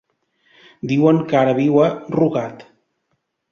Diuen que ara viu a Rugat.